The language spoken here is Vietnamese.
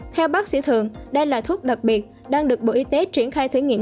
theo bác sĩ thường đây là thuốc đặc biệt đang được bộ y tế triển khai thử nghiệm